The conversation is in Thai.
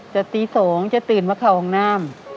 จะตี๒จะตื่นมาเข้าห้องน้ำ